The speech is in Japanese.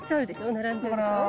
並んでるでしょ。